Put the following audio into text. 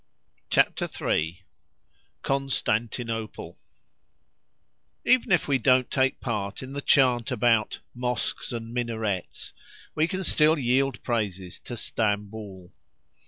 CHAPTER III—CONSTANTINOPLE Even if we don't take a part in the chant about "mosques and minarets," we can still yield praises to Stamboul.